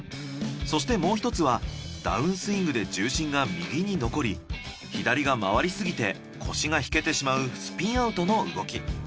そしてもう１つはダウンスイングで重心が右に残り左が回り過ぎて腰が引けてしまうスピンアウトの動き。